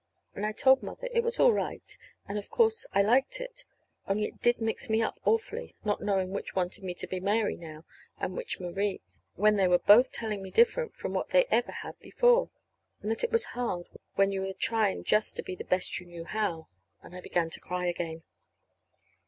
And I told Mother it was all right, and of course I liked it; only it did mix me up awfully, not knowing which wanted me to be Mary now, and which Marie, when they were both telling me different from what they ever had before. And that it was hard, when you were trying just the best you knew how. And I began to cry again.